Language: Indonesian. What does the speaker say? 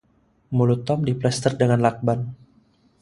Mulut Tom diplester dengan lakban.